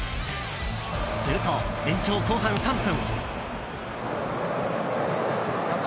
すると、延長後半３分。